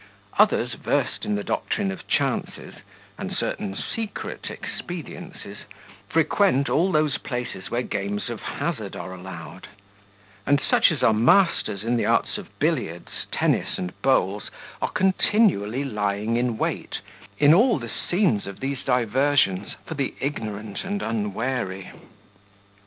Others versed in the doctrine of chances, and certain secret expediences, frequent all those places where games of hazard are allowed: and such as are masters in the arts of billiards, tennis, and bowls, are continually lying in wait, in all the scenes of these diversions, for the ignorant and unwary.